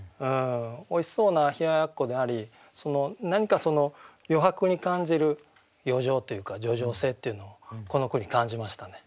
おいしそうな冷奴であり何かその余白に感じる余情というか叙情性っていうのをこの句に感じましたね。